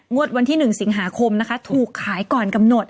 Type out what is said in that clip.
งวดวันที่๑สิงหาคมถูกขายก่อนกำหนด